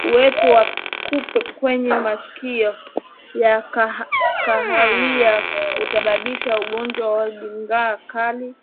Uwepo wa kupe wenye masikio ya kahawia husababisha ugonjwa wa ndigana kali